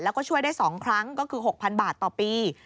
แล้วก็ช่วยได้๒ครั้งก็คือ๖๐๐๐บาทต่อปี